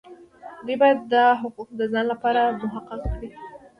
دوی باید دا حقوق د ځان لپاره محقق کړي.